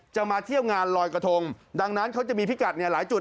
มาเที่ยวงานลอยกระทงดังนั้นเขาจะมีพิกัดเนี่ยหลายจุด